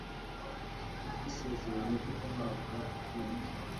ubwo isezerano ryo guhabwa ubwenge